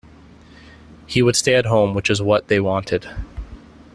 He would stay at home, which was what they wanted.